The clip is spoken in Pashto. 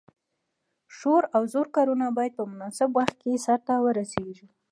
شور او زور کارونه باید په مناسب وخت کې سرته ورسیږي.